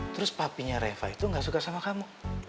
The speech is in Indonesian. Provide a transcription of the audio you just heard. terus papinya reva itu gak suka sama kamu